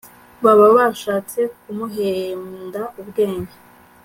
baba bashatse kumuhenda ubwenge